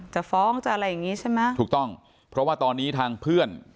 จะฟ้องจะอะไรอย่างงี้ใช่ไหมถูกต้องเพราะว่าตอนนี้ทางเพื่อน